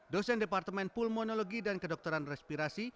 dosen departemen pulmonologi dan kedokteran respirasi